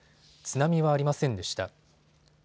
津波はありませんでした。